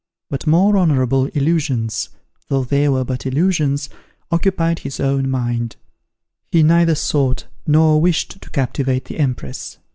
But more honourable illusions, though they were but illusions, occupied his own mind. He neither sought nor wished to captivate the Empress.